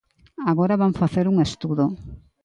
Agora van facer un estudo.